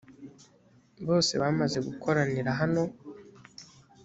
bose bamaze gukoranira hano